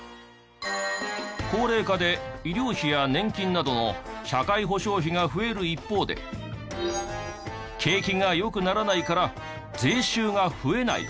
高齢化で医療費や年金などの社会保障費が増える一方で景気が良くならないから税収が増えない。